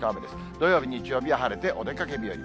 土曜日、日曜日は晴れてお出かけ日和。